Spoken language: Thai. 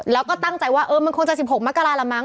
แล้วก็ตั้งใจว่ามันคงจะ๑๖มกราละมั